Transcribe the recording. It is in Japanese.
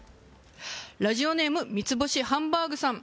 ラジオネームミツボシハンバーグさん